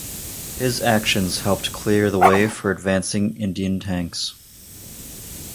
His actions helped clear the way for advancing Indian tanks.